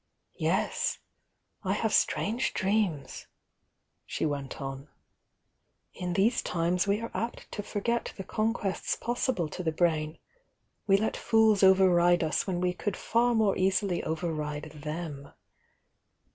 Yes!— I have strange dreams!" she went on In these times we are apt to forget the conquests possible to the brain, we let fools over ride us when we could far more easily over ride them.